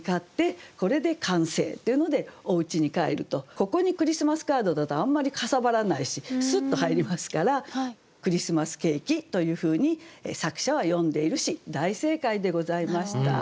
ここに「クリスマスカード」だとあんまりかさばらないしスッと入りますから「クリスマスケーキ」というふうに作者は詠んでいるし大正解でございました。